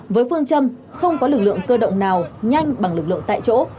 với phương châm không có lực lượng cơ động nào nhanh bằng lực lượng tại chỗ